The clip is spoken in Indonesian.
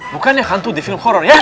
bukannya hantu di film horor ya